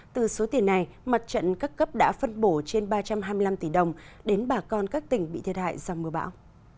từ số tiền này mặt trận các cấp đã phân bổ trên ba trăm hai mươi năm tỷ đồng đến bà con các tỉnh bị thiệt hại do mưa bão